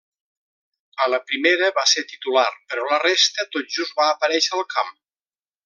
A la primera va ser titular, però la resta tot just va aparèixer al camp.